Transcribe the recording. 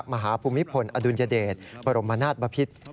มหาภูมิภลอดุลยเดชบรมราชบภิษฐ์